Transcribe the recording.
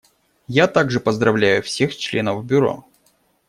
Я также поздравляю всех членов Бюро.